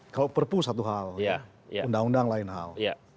kalau perpu satu hal undang undang lain hal